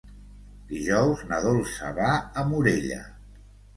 Dijous na Dolça va a Morella.